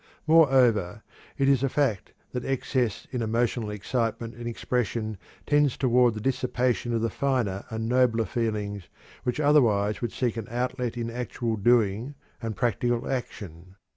Moreover, it is a fact that excess in emotional excitement and expression tends toward the dissipation of the finer and nobler feelings which otherwise would seek an outlet in actual doing and practical action.